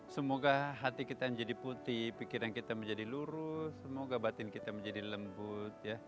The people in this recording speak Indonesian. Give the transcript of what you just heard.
semoga hati kita menjadi putih pikiran kita menjadi lurus semoga batin kita menjadi lembut